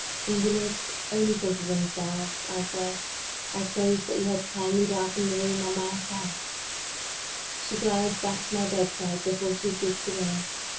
"Invalids only think of themselves," I say. "I supposed that you had kindly darkened the room on my account." She glides back to my bedside before she speaks again.